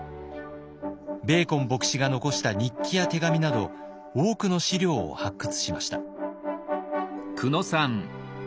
ベーコン牧師が残した日記や手紙など多くの資料を発掘しました。